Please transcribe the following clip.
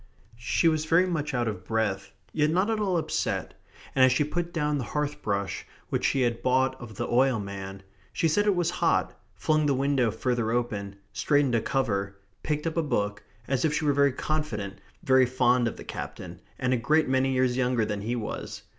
She was very much out of breath, yet not at all upset, and as she put down the hearth brush which she had bought of the oil man, she said it was hot, flung the window further open, straightened a cover, picked up a book, as if she were very confident, very fond of the Captain, and a great many years younger than he was.